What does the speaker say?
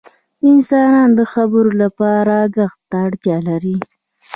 • انسانان د خبرو لپاره ږغ ته اړتیا لري.